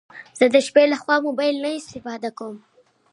زه د شپې لخوا موبايل نه استفاده کوم